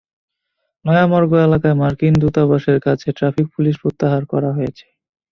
নয়া মর্গ এলাকায় মার্কিন দূতাবাসের কাছে ট্রাফিক পুলিশ প্রত্যাহার করা হয়েছে।